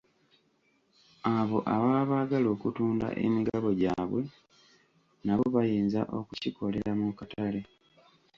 Abo ababa baagala okutunda emigabo gyaabwe nabo bayinza okukikolera mu katale.